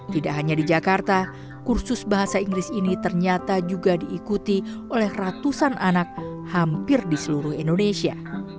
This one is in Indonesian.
tidak hanya di jakarta kursus bahasa inggris ini ternyata juga diikuti oleh ratusan anak hampir di seluruh indonesia